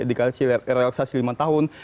dikaisi relaksasi lima tahun